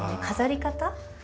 飾り方？